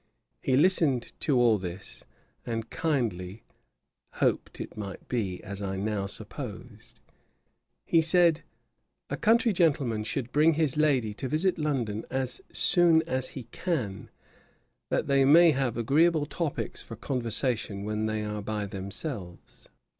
He listened to all this, and kindly 'hoped it might be as I now supposed.' He said, 'A country gentleman should bring his lady to visit London as soon as he can, that they may have agreeable topicks for conversation when they are by themselves.'